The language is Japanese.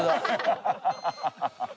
ハハハハッ。